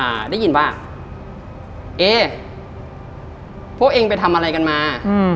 ได้ยินว่าเอ๊พวกเองไปทำอะไรกันมาอืม